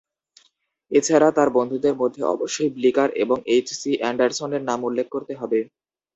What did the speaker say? এছাড়া, তার বন্ধুদের মধ্যে অবশ্যই ব্লিকার এবং এইচ. সি. অ্যান্ডারসনের নাম উল্লেখ করতে হবে।